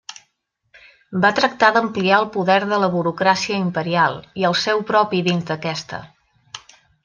Va tractar d'ampliar el poder de la burocràcia imperial, i el seu propi dins d'aquesta.